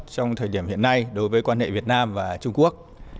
trong thời điểm hiện nay đối với quan hệ việt nam và trung quốc